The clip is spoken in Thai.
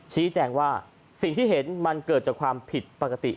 ชี้แจงว่าสิ่งที่เห็นมันเกิดจากความผิดปกติ